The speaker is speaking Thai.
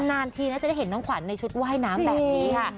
นานทีน่าจะได้เห็นน้องขวัญในชุดว่ายน้ำแบบนี้ค่ะ